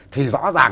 thì rõ ràng